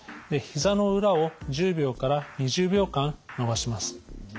ひざの裏を１０秒から２０秒間伸ばします。